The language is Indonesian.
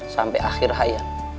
sampai akhir hayat